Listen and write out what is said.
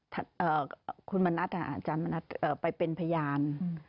กับคุณมณัชไปเป็นพยาน